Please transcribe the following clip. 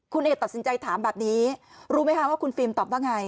คุณเอกตัดสินใจถามแบบนี้รู้ไหมคะว่าคุณฟิล์มตอบว่าไง